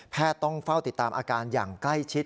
ต้องเฝ้าติดตามอาการอย่างใกล้ชิด